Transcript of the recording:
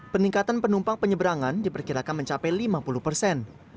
peningkatan penumpang penyeberangan diperkirakan mencapai lima puluh persen